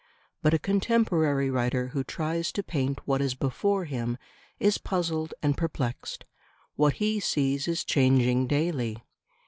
But a contemporary writer who tries to paint what is before him is puzzled and a perplexed: what he sees is changing daily.